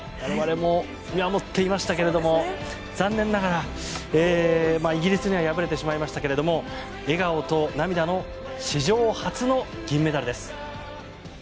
我々も見守っていましたけれども残念ながらイギリスには敗れてしまいましたが笑顔と涙の史上初の銀メダルです。